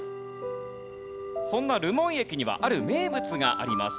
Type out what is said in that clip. そんな留萌駅にはある名物があります。